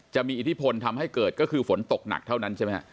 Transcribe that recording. อิทธิพลทำให้เกิดก็คือฝนตกหนักเท่านั้นใช่ไหมฮะ